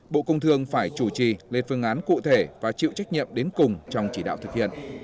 bộ công thương phải chủ trì lên phương án cụ thể và chịu trách nhiệm đến cùng trong chỉ đạo thực hiện